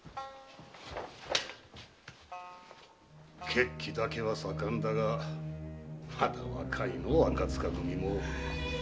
血気だけは盛んだがまだ若いのう赤柄組も。